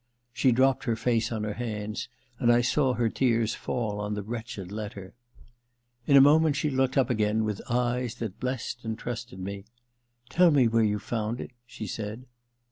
She dropped her face on her hands, and I saw her tears fall on the wretched letter. In a moment she looked up again, with eyes that blessed and trusted me. * Tell me where you found it,' she said.